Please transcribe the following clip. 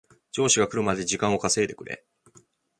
上司が来るまで時間を稼いでくれ